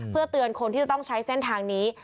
เพื่อเตือนคนที่จะต้องใช้เส้นทางนี้